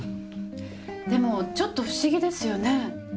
でもちょっと不思議ですよね。